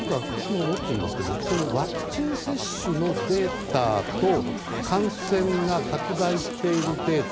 僕は思っているんですけどもそのワクチン接種のデータと感染が拡大しているデータ